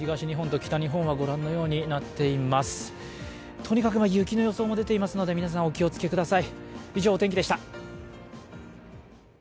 とにかく雪の予想も出ていますので、皆さん、お気をつけください。